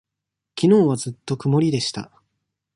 きのうはずっと曇りでした。